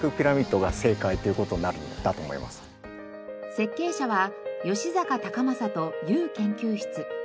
設計者は吉阪隆正とＵ研究室。